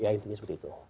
ya intinya seperti itu